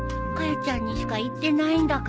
ちゃんにしか言ってないんだから。